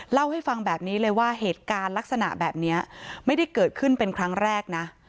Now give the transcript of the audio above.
เล่าให้ฟังแบบนี้เลยว่าเหตุการณ์ลักษณะแบบนี้ไม่ได้เกิดขึ้นเป็นครั้งแรกนะ